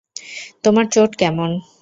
তোমার চোট কেমন?